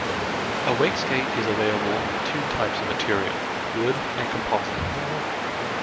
A wakeskate is available in two types of material: wood and composite.